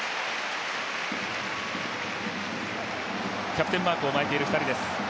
キャプテンマークを巻いている２人です。